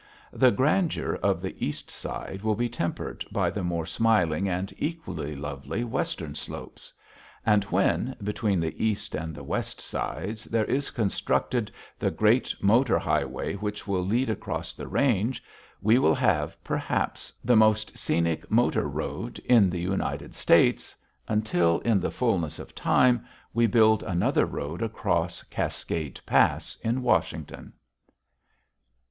The grandeur of the east side will be tempered by the more smiling and equally lovely western slopes. And when, between the east and the west sides, there is constructed the great motor highway which will lead across the range, we shall have, perhaps, the most scenic motor road in the United States until, in the fullness of time, we build another road across Cascade Pass in Washington.